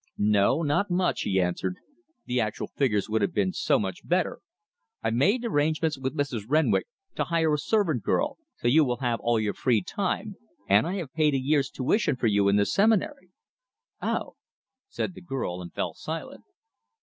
"No, not much," he answered. The actual figures would have been so much better! "I've made arrangements with Mrs. Renwick to hire a servant girl, so you will have all your time free; and I have paid a year's tuition for you in the Seminary." "Oh!" said the girl, and fell silent.